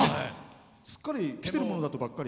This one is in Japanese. すっかり来てるものだとばっかり。